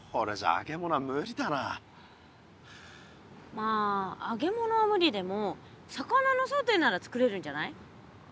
まあ揚げ物はむりでも魚のソテーならつくれるんじゃない？